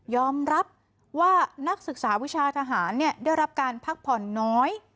อมรับว่านักศึกษาวิชาทหารได้รับการพักผ่อนน้อย